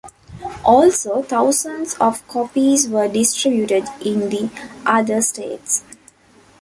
Also, thousands of copies were distributed in the other states.